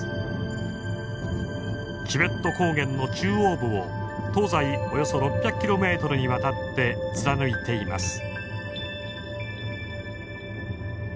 チベット高原の中央部を東西およそ６００ｋｍにわたって貫いています。